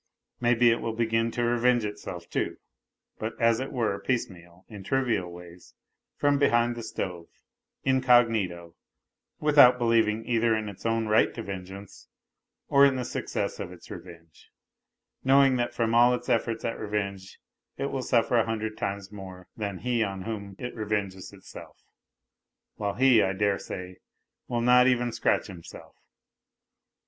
Maybe it will begin to revenge itself, too, but, as it were, piecemeal, in trivial ways, from behind the stove, incognito, without believing either in its own right to vengeance, or in the success of its revenge, knowing that from all its efforts at revenge it will suffer a hundred times more than he on whom it revenges itself, while he, I daresay, will not even scratch himself.